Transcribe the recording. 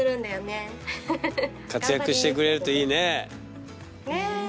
活躍してくれるといいね。ね。